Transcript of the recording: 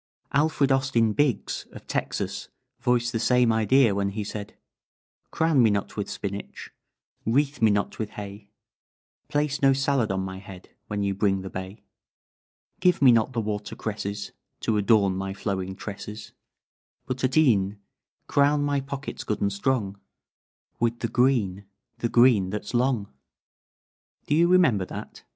"Alfred Austin Biggs, of Texas, voiced the same idea when he said: "'Crown me not with spinach, Wreathe me not with hay; Place no salad on my head When you bring the bay. Give me not the water cresses To adorn my flowing tresses, But at e'en Crown my pockets good and strong With the green The green that's long.'" "Do you remember that?"